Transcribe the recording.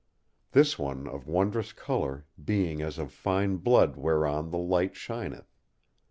This one was of wondrous colour, being as of fine blood whereon the light shineth.